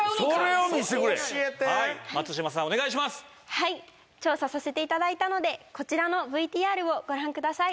はい調査させて頂いたのでこちらのＶＴＲをご覧ください。